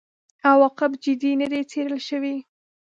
عواقب جدي نه دي څېړل شوي.